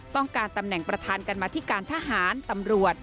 ต้องการตำแหน่งประธานการมาธิการทหารตำรวจ